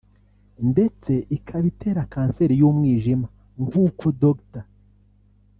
ndetse ikaba itera kanseri y’umwijima; nk’uko Dr